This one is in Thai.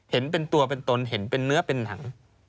เห็นเป็นตัวเป็นตนเห็นเป็นเนื้อเป็นหนัง